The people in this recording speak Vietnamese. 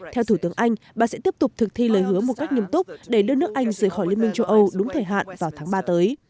theo thủ tướng anh bà sẽ tiếp tục thực thi lời hứa một cách nghiêm túc để đưa nước anh rời khỏi liên minh châu âu đúng thời hạn vào tháng ba tới